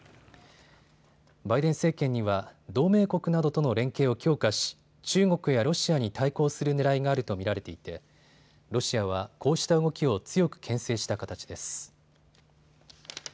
バイデン政権には同盟国などとの連携を強化し中国やロシアに対抗するねらいがあると見られていてロシアはこうした動きを強くけん制した形です。